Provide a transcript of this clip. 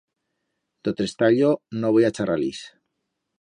D'o trestallo no voi a charrar-lis.